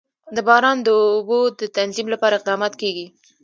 د باران د اوبو د تنظیم لپاره اقدامات کېږي.